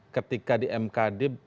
ketika di mkd